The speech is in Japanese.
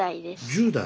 １０代。